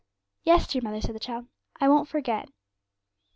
'Yes, dear mother,' said the child; 'I won't forget.'